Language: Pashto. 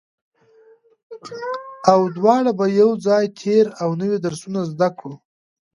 او دواړو به يو ځای تېر او نوي درسونه زده کول